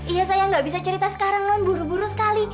iya sayang nggak bisa cerita sekarang non buru buru sekali